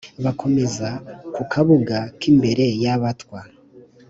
Bakomeza ku Kabuga, k'imbere y'Abatwa